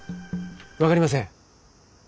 分かりません。